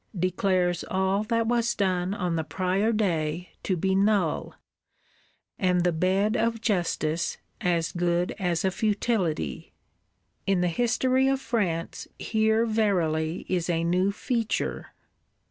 declares all that was done on the prior day to be null, and the Bed of Justice as good as a futility! In the history of France here verily is a new feature.